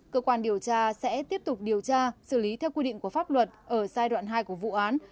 cơ quan điều tra sẽ tiếp tục điều tra xử lý theo quy định của pháp luật ở giai đoạn hai của vụ án